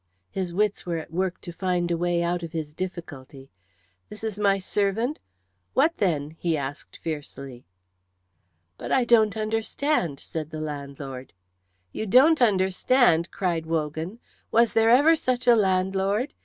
His wits were at work to find a way out of his difficulty. "This is my servant? What then?" he asked fiercely. "But I don't understand," said the landlord. "You don't understand!" cried Wogan. "Was there ever such a landlord?